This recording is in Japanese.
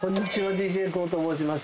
ＤＪＫＯＯと申します。